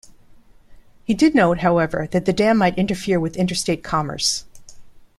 He did note, however, that the dam might interfere with interstate commerce.